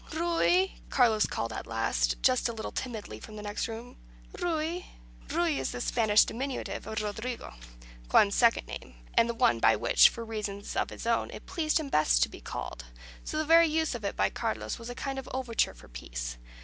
"Ruy!" Carlos called at last, just a little timidly, from the next room "Ruy!" Ruy is the Spanish diminutive of Rodrigo, Juan's second name, and the one by which, for reasons of his own, it pleased him best to be called; so the very use of it by Carlos was a kind of overture for peace.